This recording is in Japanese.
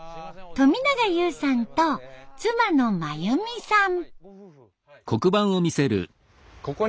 冨永悠さんと妻の真由美さん。